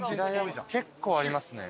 結構ありますね。